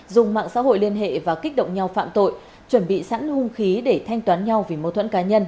dùng mạng xã hội liên hệ và kích động nhau phạm tội chuẩn bị sẵn hung khí để thanh toán nhau vì mâu thuẫn cá nhân